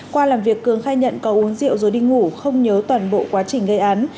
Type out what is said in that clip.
qua làm việc cường khai nhận có uống rượu rồi đi ngủ không nhớ toàn bộ quá trình gây án